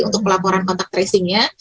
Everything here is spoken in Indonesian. untuk pelaporan kontak tracingnya